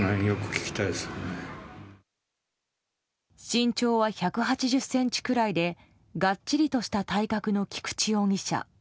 身長は１８０ｃｍくらいでがっちりとした体格の菊池容疑者。